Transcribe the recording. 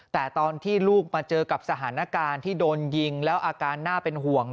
แต่ตอนที่ลูกมาเจอกับสถานการณ์ที่โดนยิงแล้วอาการน่าเป็นห่วง